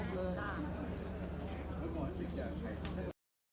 ครับ